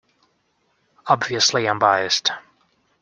Obviously I’m biased.